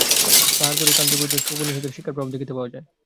তাঁহার পরই কাণ্টের দর্শনে উপনিষদের শিক্ষার প্রভাব দেখিতে পাওয়া যায়।